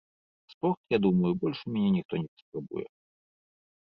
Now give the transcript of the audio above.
Спорт, я думаю, больш у мяне ніхто не паспрабуе.